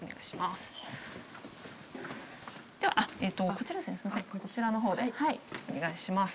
こちらですねこちらのほうでお願いします。